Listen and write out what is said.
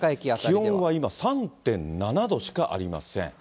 気温は今、３．７度しかありません。